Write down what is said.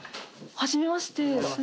はじめまして。